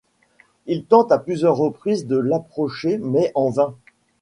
Il tente à plusieurs reprises de l'approcher mais en vain.